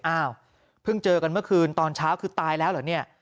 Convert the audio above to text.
อ้าวเพิ่งเจอกันเมื่อคืนตอนเช้าคือตายแล้วเหรอเนี่ย